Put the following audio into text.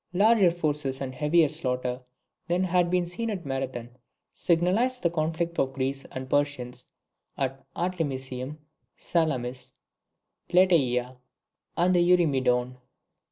Larger forces and heavier slaughter than had been seen at Marathon signalised the conflicts of Greeks and Persians at Artemisium, Salamis, Plataea, and the Eurymedon.